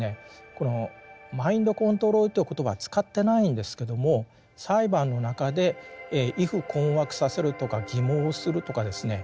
このマインドコントロールという言葉使ってないんですけども裁判の中で畏怖困惑させるとか欺罔するとかですね